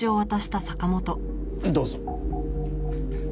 どうぞ。